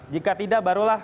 jika tidak barulah